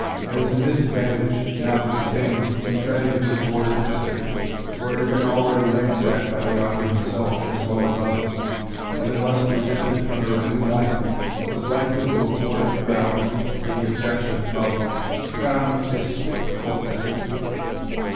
There was a disadvantage, notwithstanding, in treading this Border district, for it had been already ransacked by the author himself, as well as others; and unless presented under a new light, was likely to afford ground to the objection of Crambe bis cocta.